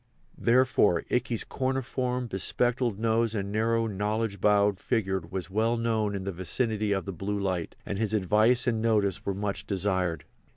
Therefore Ikey's corniform, be spectacled nose and narrow, knowledge bowed figure was well known in the vicinity of the Blue Light, and his advice and notice were much desired.